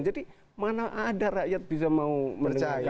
jadi mana ada rakyat bisa mau menerima kaya